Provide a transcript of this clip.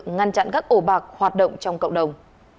ngăn chặn các ổ bạc hoạt động trong cộng đồng